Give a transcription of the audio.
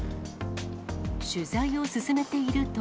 取材を進めていると。